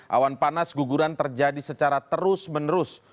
awan panas guguran terjadi secara terus menerus